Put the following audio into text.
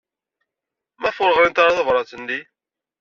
Maɣef ur ɣrint ara tabṛat-nni?